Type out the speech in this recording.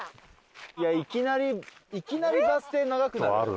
いやいきなりいきなりバス停長くなる？